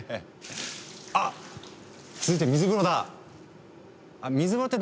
あっ続いて水風呂だ！